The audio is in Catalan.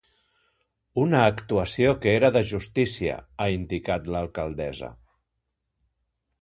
“Una actuació que era de justícia”, ha indicat l’alcaldessa.